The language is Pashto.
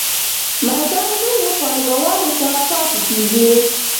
میدان لویو پانګوالو ته پاتې کیږي.